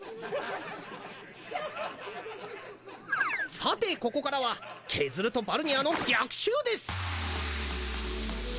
さてここからはケズルとバルニャーの逆襲です！